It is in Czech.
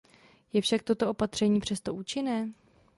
Je však toto opatření přesto účinné?